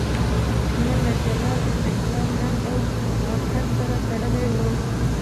ژوند له جلال، استقلال، ننګ او غورځنګ سره تړلی وو.